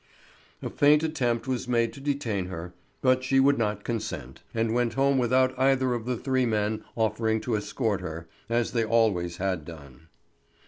A faint attempt was made to detain her; but she would not consent, and went home without either of the three men offering to escort her, as they always had done.